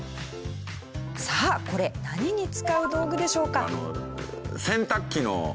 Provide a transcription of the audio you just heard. さあこれ何に使う道具でしょうか？